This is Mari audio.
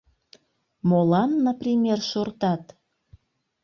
Молан, например, шортат?